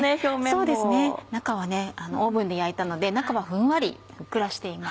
そうですねオーブンで焼いたので中はふんわりふっくらしています。